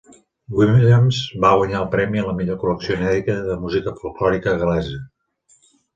Williams va guanyar el premi a la millor col·lecció inèdita de música folklòrica gal·lesa.